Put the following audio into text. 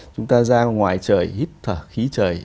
chúng ta ra ngoài trời hít thở khí trời